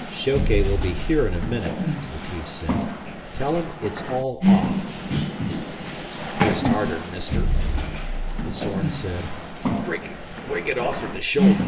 "Shoke will be here in a minute," Retief said. "Tell him it's all off." "Twist harder, Mister," Zorn said. "Break it off at the shoulder.